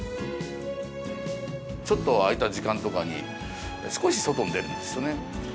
ちょっと空いた時間とかに少し外に出るんですよね。